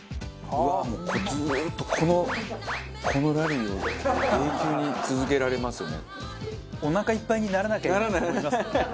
ずっとこのこのラリーを永久に続けられますよね。